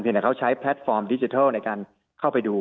แต่เขาใช้แพลตฟอร์มดิจิทัลในการเข้าไปดู